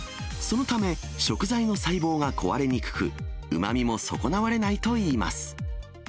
そのため、食材の細胞が壊れにくく、うまみも損なわれないといいます。